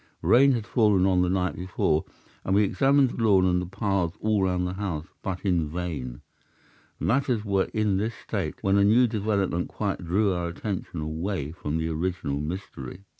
Rain had fallen on the night before and we examined the lawn and the paths all round the house, but in vain. Matters were in this state, when a new development quite drew our attention away from the original mystery.